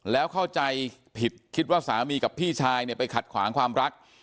แล้วเข้าใจผิดคิดว่าสามีกับพี่ชายเนี่ยไปขัดขวางความรัก